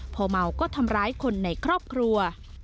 พอเมาก็ทำร้ายคนในครอบครัว